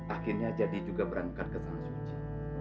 akhirnya jadi juga berangkat ke tanah suci